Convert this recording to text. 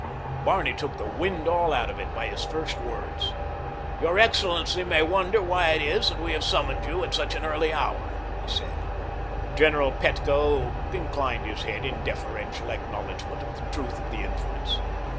Barney took the wind all out of it by his first words. "Your excellency may wonder why it is that we have summoned you at such an early hour," he said. General Petko inclined his head in deferential acknowledgment of the truth of the inference.